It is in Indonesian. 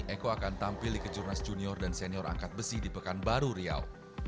eko akan tampil di kejurnas junior dan senior angkat besi di pekanbaru riau